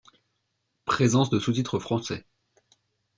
Présence de sous-titres français.